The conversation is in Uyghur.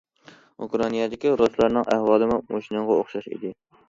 ئۇكرائىنادىكى رۇسلارنىڭ ئەھۋالىمۇ مۇشۇنىڭغا ئوخشاش ئىدى.